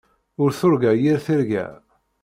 Ur turga yir tirga.